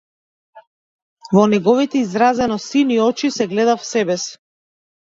Во неговите изразено сини очи се гледав себеси.